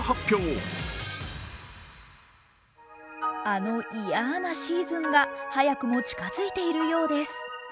あの嫌なシーズンが早くも近づいているようです。